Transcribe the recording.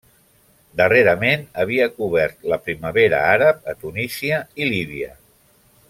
Darrerament havia cobert la Primavera Àrab a Tunísia i Líbia.